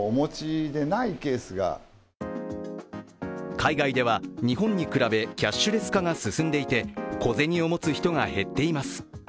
海外では日本に比べキャッシュレス化が進んでいて、小銭を持つ人が減っています。